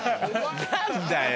何だよ。